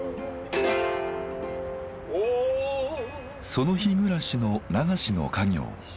その日暮らしの流しの稼業。